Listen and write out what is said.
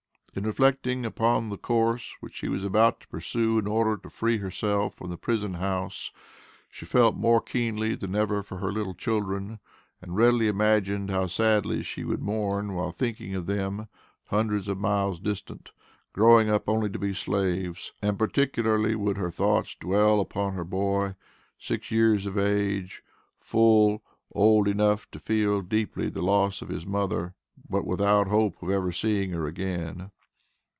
In reflecting upon the course which she was about to pursue in order to free herself from the prison house, she felt more keenly than ever for her little children, and readily imagined how sadly she would mourn while thinking of them hundreds of miles distant, growing up only to be slaves. And particularly would her thoughts dwell upon her boy, six years of age; full old enough to feel deeply the loss of his mother, but without hope of ever seeing her again.